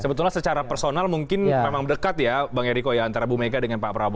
sebetulnya secara personal mungkin memang dekat ya bang eriko ya antara bu mega dengan pak prabowo